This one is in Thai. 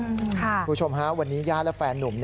คุณผู้ชมฮะวันนี้ญาติและแฟนนุ่ม